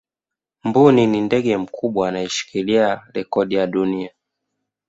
mbuni ni ndege mkubwa anayeshikilia rekodi ya dunia